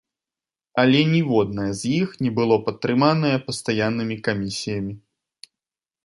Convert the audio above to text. Але ніводнае з іх не было падтрыманае пастаяннымі камісіямі.